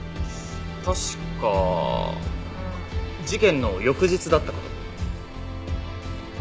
確か事件の翌日だったかと。